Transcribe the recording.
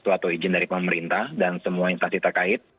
atau izin dari pemerintah dan semua instansi terkait